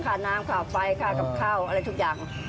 ค่าน้ำค่าไฟค่ากับข้าวอะไรทุกอย่าง